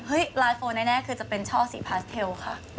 เฮ้ยร้านโฟนแน่คือจะเป็นช่อสีพาสเทลค่ะ